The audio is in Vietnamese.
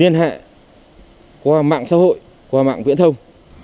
liên hệ qua mạng xã hội qua mạng viễn thông